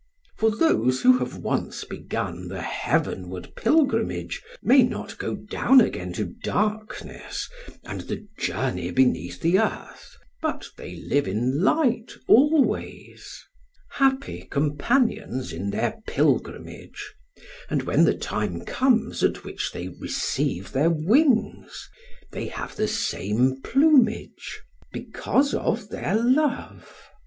For those who have once begun the heavenward pilgrimage may not go down again to darkness and the journey beneath the earth, but they live in light always; happy companions in their pilgrimage, and when the time comes at which they receive their wings they have the same plumage because of their love.